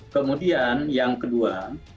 kemudian yang kedua